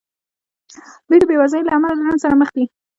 دوی د بېوزلۍ له امله له رنځ سره مخ دي.